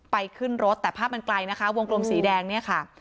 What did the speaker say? ขึ้นรถแต่ภาพมันไกลนะคะวงกลมสีแดงเนี่ยค่ะ